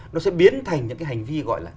nó sẽ biến thành những cái hành vi gọi là